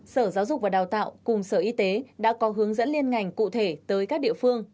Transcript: sở giáo dục và đào tạo cùng sở y tế đã có hướng dẫn liên ngành cụ thể tới các địa phương